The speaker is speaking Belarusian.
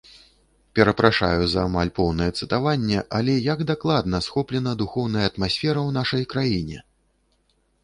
Перапрашаю за амаль поўнае цытаванне, але як дакладна схоплена духоўная атмасфера ў нашай краіне!